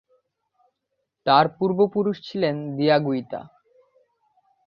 তার পূর্বপুরুষ ছিলেন দিয়াগুইতা।